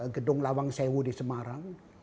gedung lawang sewu di semarang